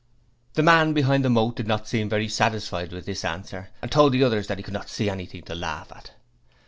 The man behind the moat did not seem very satisfied with this answer, and told the others that he could not see anything to laugh at.